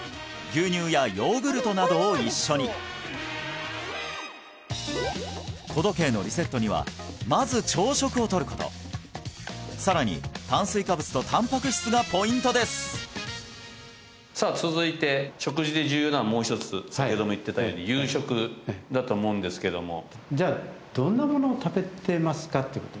牛乳やヨーグルトなどを一緒に子時計のリセットにはまず朝食をとることさらに炭水化物とたんぱく質がポイントですさあ続いて食事で重要なのはもう一つ先ほども言ってたように夕食だと思うんですけどもじゃあ夕食ですか？